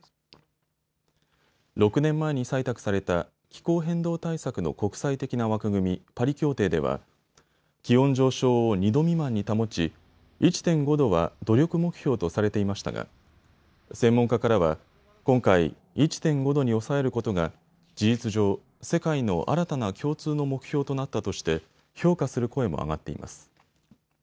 ６年前に採択された気候変動対策の国際的な枠組み、パリ協定では気温上昇を２度未満に保ち、１．５度は努力目標とされていましたが専門家からは今回、１．５度に抑えることが事実上、世界の新たな共通の目標となったとして評価する声も上がっています。